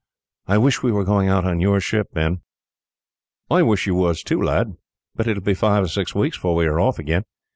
"I wish we were going out in your ship, Ben." "I wish you was, lad; but it will be five or six weeks before we are off again.